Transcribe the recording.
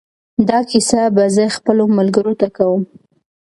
دا کیسه به زه خپلو ملګرو ته کوم.